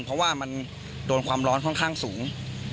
เพราะว่ามันโดนความร้อนค่อนข้างสูง